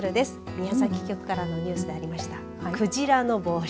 宮崎局からのニュースでありましたくじらのぼり。